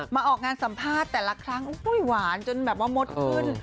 ออกงานสัมภาษณ์แต่ละครั้งหวานจนแบบว่ามดขึ้น